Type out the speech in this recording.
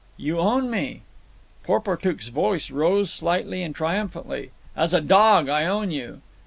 "You own me." Porportuk's voice rose slightly and triumphantly. "As a dog, I own you."